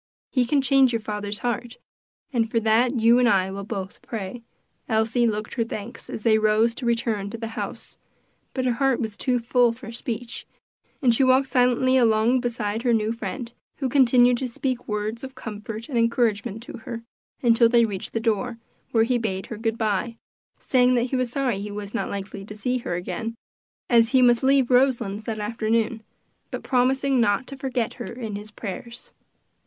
He can change your father's heart, and for that you and I will both pray." Elsie looked her thanks as they rose to return to the house, but her heart was too full for speech, and she walked silently along beside her new friend, who continued to speak words of comfort and encouragement to her, until they reached the door, where he bade her good by, saying that he was sorry he was not likely to see her again, as he must leave Roselands that afternoon, but promising not to forget her in his prayers.